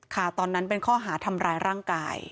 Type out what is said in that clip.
ตอนนั้นเป็นข้อหาทำร้ายร่างกาย